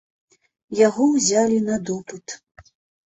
Яго ўзялі на допыт.